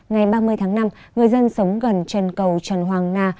ngày ba mươi tháng năm người dân sống gần chân cầu trần hoàng na